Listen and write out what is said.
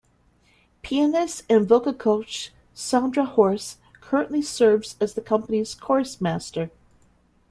Pianist and vocal coach Sandra Horst currently serves as the company's chorus master.